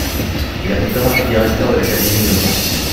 Il a notamment été directeur de l’Académie de Mons.